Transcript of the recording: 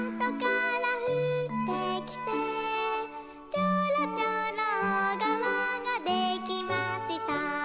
「ちょろちょろおがわができました」